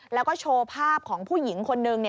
แล้วก็โชว์ภาพของผู้หญิงคนนึง